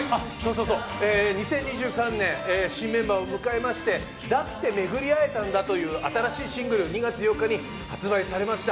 ２０２３年新メンバーを迎えまして「だってめぐり逢えたんだ」という新しいシングル２月８日に発売されました。